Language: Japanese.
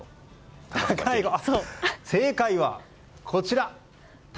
正解はこちら。